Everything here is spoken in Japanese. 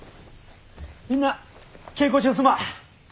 みんな稽古中すまん。